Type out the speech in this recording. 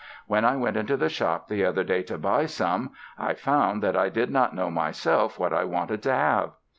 When I went into the shop the other day to buy some, I found that I did not know myself what I wanted to have.